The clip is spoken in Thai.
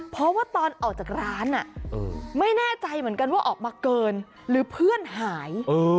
เพราะว่าตอนออกจากร้านไม่แน่ใจเหมือนกันว่าออกมาเกินหรือเพื่อนหาย